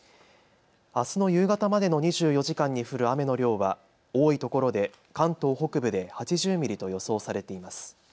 あすの夕方までの２４時間に降る雨の量は多いところで関東北部で８０ミリと予想されています。